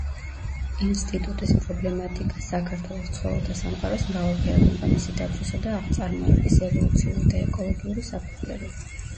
ინსტიტუტის პრობლემატიკა: საქართველოს ცხოველთა სამყაროს მრავალფეროვნება, მისი დაცვისა და აღწარმოების ევოლუციური და ეკოლოგიური საფუძვლები.